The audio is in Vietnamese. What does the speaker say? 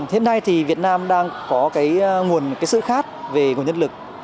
hiện nay thì việt nam đang có cái nguồn sự khác về nguồn nhân lực